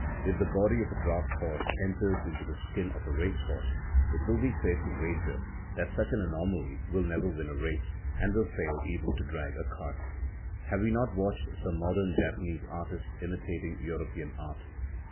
If the body of a draught horse enters into the skin of a race horse, it will be safe to wager that such an anomaly will never win a race, and will fail even to drag a cart. Have we not watched some modern Japanese artists imitating European art?